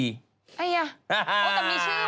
ไอ้ยะ